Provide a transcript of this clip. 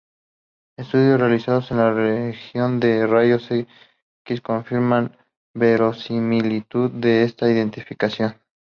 Estudios realizados en la región de rayos X confirman la verosimilitud de esta identificación.